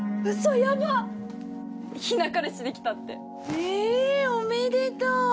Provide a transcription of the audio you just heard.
日菜えおめでとう！